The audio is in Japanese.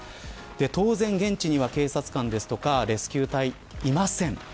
当然、現地には警察官やレスキュー隊はいません。